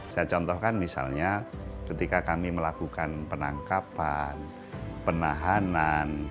saya contohkan misalnya ketika kami melakukan penangkapan penahanan